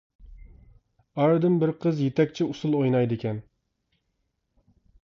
ئارىدىن بىر قىز يېتەكچى ئۇسۇل ئوينايدىكەن.